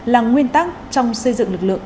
là nguyên tắc trong xây dựng lực lượng